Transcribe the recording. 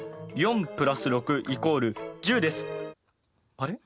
あれ？